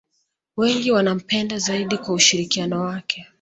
wengi wanampenda zaidi kwa ushirikiano wake